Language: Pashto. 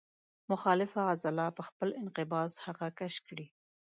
مخالفه عضله په خپل انقباض هغه کش کړي.